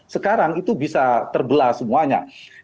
sekarang itu bisa terbelah semuanya